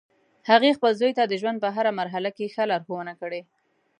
هغې خپل زوی ته د ژوند په هر مرحله کې ښه لارښوونه کړی